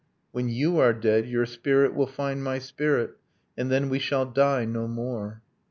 'When you are dead your spirit will find my spirit, And then we shall die no more.'